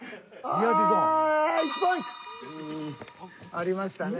ありましたね。